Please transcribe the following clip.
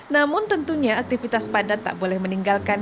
namun tentunya aktivitas padat tak boleh meninggalkan